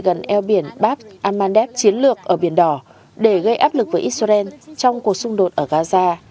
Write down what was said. gần eo biển bab al mandeb chiến lược ở biển đỏ để gây áp lực với israel trong cuộc xung đột ở gaza